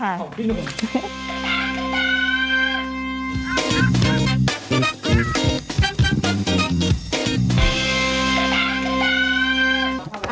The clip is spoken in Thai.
ของพี่หนุ่ม